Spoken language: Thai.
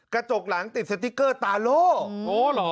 กระจกหลังติดสติ๊กเกอร์ตาโล่เหรอ